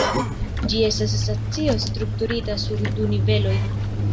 Ĝi estas stacio strukturita sur du niveloj.